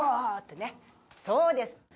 そうです